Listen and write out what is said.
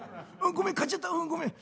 「ごめん買っちゃったうんごめん。